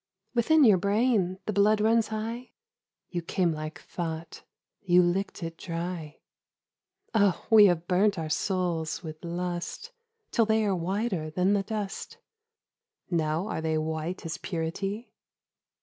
' Within your brain the blood runs high ?'' You came like thought : you licked it dry.' ' Oh we have burnt our souls with lust Till they are whiter than the dust ... Now are they white as purity